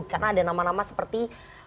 karena ada nama nama seperti